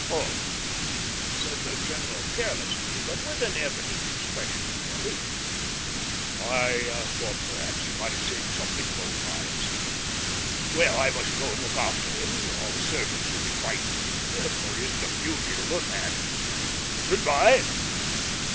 "Oh," said the general carelessly, but with an evident expression of relief, "I thought perhaps he might have said something of old times. Well, I must go and look after him, or the servants will be frightened, for he isn't a beauty to look at. Good bye!"